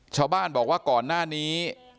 ชาวบ้านบอกว่าก่อนหน้านี้